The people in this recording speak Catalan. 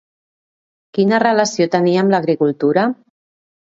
Quina relació tenia amb l'agricultura?